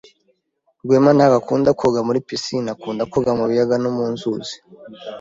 Rwema ntabwo akunda koga muri pisine. Akunda koga mu biyaga no mu nzuzi.